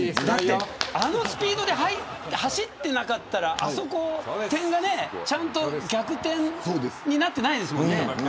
あのスピードで走ってなかったらちゃんと逆転になっていませんもんね。